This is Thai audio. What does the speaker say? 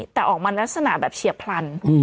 แต่ออกมาลักษณะแบบเฉียบพลัน